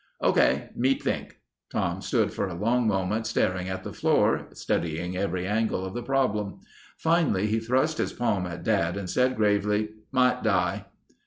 "Okay. Me think." Tom stood for a long moment staring at the floor, studying every angle of the problem. Finally he thrust his palm at Dad and said gravely: "Might die...."